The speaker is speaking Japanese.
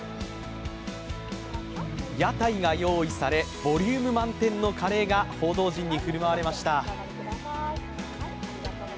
屋台が用意され、ボリューム満点のカレーが報道陣に振る舞われました。